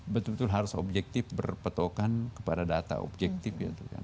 betul betul harus objektif berpetokan kepada data objektif